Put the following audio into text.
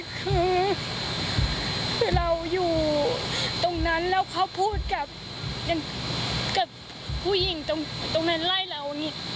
คือเราอยู่ตรงนั้นแล้วเขาพูดกับผู้หญิงตรงนั้นไล่เรานี่